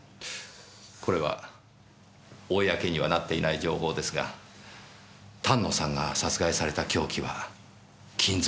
これは公にはなっていない情報ですが丹野さんが殺害された凶器は金属製の弦です。